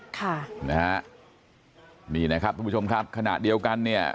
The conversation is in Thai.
ค่ะนะฮะนี่นะครับทุกผู้ชมครับขณะเดียวกันเนี่ย